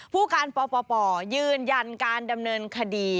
ผู้การปปยืนยันการดำเนินคดี